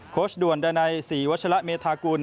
โค้ชด่วนด้านใน๔วัชละเมธากุล